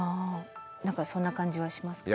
何かそんな感じはしますか？